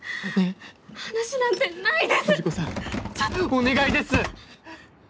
お願いです！